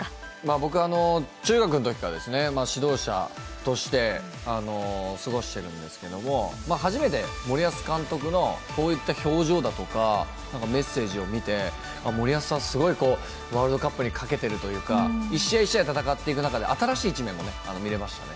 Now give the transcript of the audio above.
僕、中学のときから指導者として過ごしているんですけれども初めて森保監督のこういった表情だとかメッセージを見て森保さん、ワールドカップにかけてるというか１試合１試合戦っていく中で新しい一面も見れましたよね。